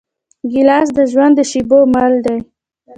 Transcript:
ګیلاس د ژوند د شېبو مل دی.